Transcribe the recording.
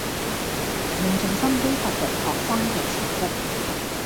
用盡心機發掘學生既潛質